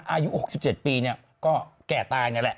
อายุ๖๗ปีก็แก่ตายนี่แหละ